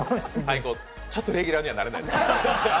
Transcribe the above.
ちょっとレギュラーにはなれない。